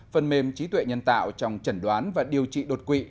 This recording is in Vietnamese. phần mềm trí tuệ nhân tạo trong chẩn đoán và điều trị đột quỵ